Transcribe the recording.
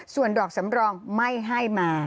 ส่วนดอกสำรองไม่ให้มา